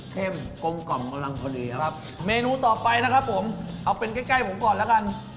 กลมกล่อมกำลังพอดีครับเมนูต่อไปนะครับผมเอาเป็นใกล้ใกล้ผมก่อนแล้วกัน